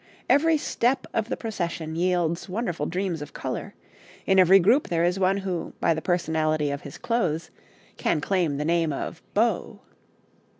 Every step of the procession yields wonderful dreams of colour; in every group there is one who, by the personality of his clothes, can claim the name of beau.